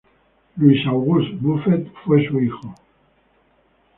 Louis-Auguste Buffet fue su hijo.